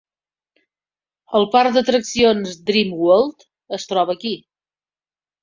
El parc d'atraccions Dream World es troba aquí.